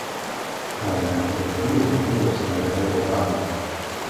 Tra la teritorio fluas la rivero Gamo.